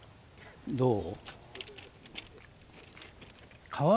どう？